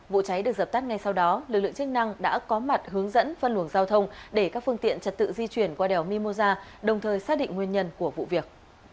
vụ cháy được dập tắt ngay sau đó lực lượng chức năng đã có mặt hướng dẫn phân luồng giao thông để các phương tiện trật tự di chuyển qua đèo mimosa đồng thời xác định nguyên nhân của vụ việc